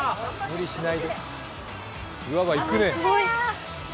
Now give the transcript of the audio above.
無理しないで。